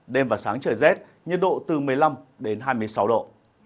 đêm và sáng trời rét nhiệt độ từ một mươi năm đến hai mươi sáu độ